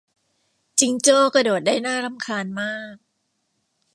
จิงโจ้กระโดดได้น่ารำคาญมาก